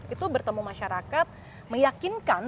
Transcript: itu bertemu masyarakat meyakinkan